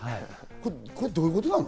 これどういうことなの？